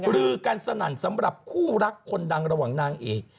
ลือกันสนั่นสำหรับคู่รักคนดังระหว่างนางเอก